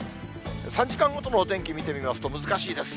３時間ごとのお天気見てみますと、難しいです。